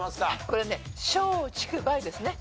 これね松竹梅ですね。